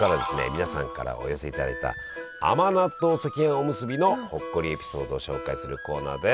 皆さんからお寄せいただいた甘納豆赤飯おむすびのほっこりエピソードを紹介するコーナーです！